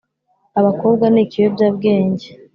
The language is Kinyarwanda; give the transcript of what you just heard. Abakobwa n’ikiyobyabwenge